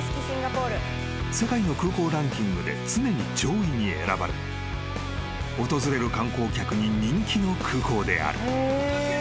［世界の空港ランキングで常に上位に選ばれ訪れる観光客に人気の空港である］